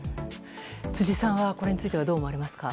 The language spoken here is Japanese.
辻さんはこれについてはどう思われますか？